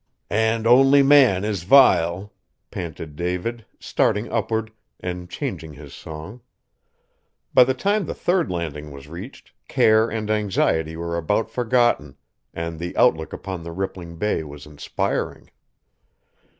"And only man is vile!" panted David, starting upward, and changing his song. By the time the third landing was reached care and anxiety were about forgotten and the outlook upon the rippling bay was inspiring.